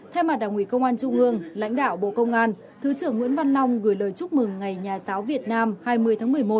thay mặt đảng ủy công an trung ương lãnh đạo bộ công an thứ trưởng nguyễn văn long gửi lời chúc mừng ngày nhà giáo việt nam hai mươi tháng một mươi một